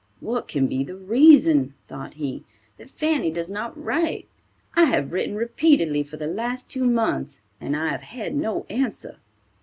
"What can be the reason," thought he, "that Fanny does not write? I have written repeatedly for the last two months and have had no answer."